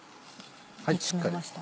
煮詰めましたね。